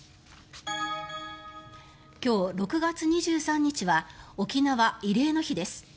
今日、６月２３日は沖縄、慰霊の日です。